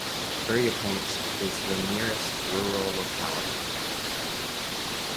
Uryupinsk is the nearest rural locality.